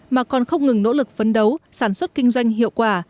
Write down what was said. mà còn không ngừng nỗ lực phấn đấu sản xuất kinh doanh hiệu quả